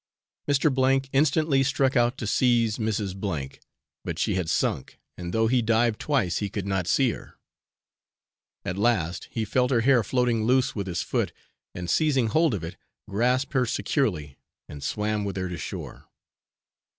Mr. C instantly struck out to seize Mrs. N , but she had sunk, and though he dived twice he could not see her; at last, he felt her hair floating loose with his foot, and seizing hold of it, grasped her securely and swam with her to shore.